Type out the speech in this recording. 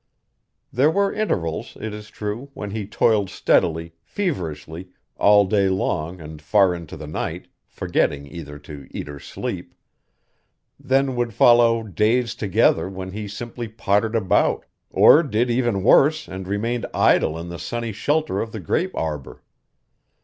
There were intervals, it is true, when he toiled steadily, feverishly, all day long and far into the night, forgetting either to eat or sleep; then would follow days together when he simply pottered about, or did even worse and remained idle in the sunny shelter of the grape arbor.